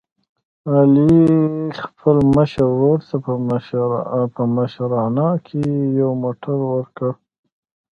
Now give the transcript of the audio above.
علي خپل مشر ورور ته په مشرانه کې یو موټر ور کړ.